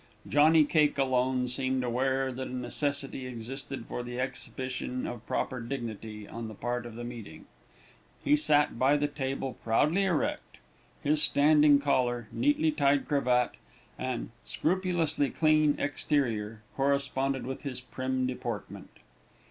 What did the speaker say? Johnny Cake alone seemed aware that a necessity existed for the exhibition of proper dignity on the part of the meeting. He sat by the table proudly erect. His standing collar, neatly tied cravat, and scrupulously clean exterior, corresponded with his prim deportment.